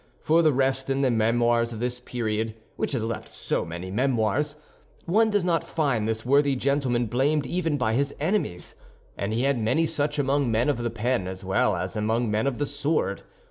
For the rest, in the memoirs of this period, which has left so many memoirs, one does not find this worthy gentleman blamed even by his enemies; and he had many such among men of the pen as well as among men of the sword.